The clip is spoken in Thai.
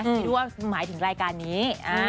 คิดว่าหมายถึงรายการนี้